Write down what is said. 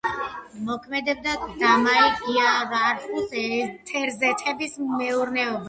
მოქმედებდა დამია-გიაურარხის ეთერზეთების მეურნეობა.